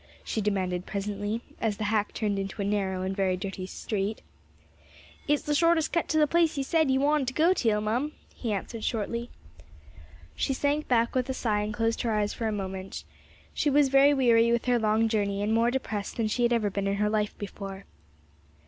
she demanded presently, as the hack turned into a narrow and very dirty street. "It's the shortest cut to the place ye said ye wanted to go till, mum," he answered shortly. She sank back with a sigh and closed her eyes for a moment. She was very weary with her long journey and more depressed than she had ever been in her life before.